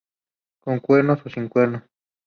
Con cuernos o sin cuernos.